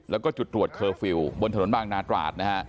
แล้วก็จุดตรวจเคอร์ฟิลล์บนถนนบางนาตราดนะฮะ